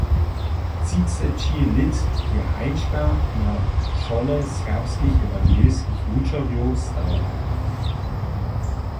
Třiceći lět je Hančka na čole serbskich ewangelskich wučerjow stał.